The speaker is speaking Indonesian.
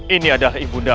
ini adalah ibundamu